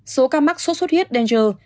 số ca mắc số suốt huyết danger